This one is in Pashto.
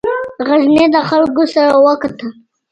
د غزني له خلکو سره وکتل.